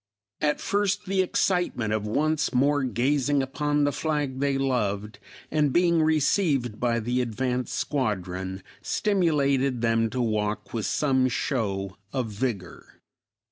At first the excitement of once more gazing upon the flag they loved, and being received by the advanced squadron, stimulated them to walk with some show of vigor.